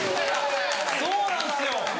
そうなんですよ！